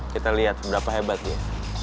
kita lihat berapa hebat dia